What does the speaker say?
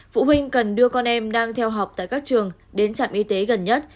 phụ huynh cần đưa con em đang theo học tại các trường đến trạm y tế gần nhất